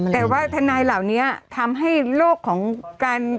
แต่ว่าทนายเหล่านี้ทำให้โลกของการ